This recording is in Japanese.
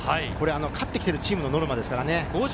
これ、勝ってきているチームのノルマですからね。